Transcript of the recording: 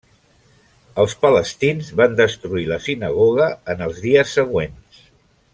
Els palestins van destruir la sinagoga en els dies següents.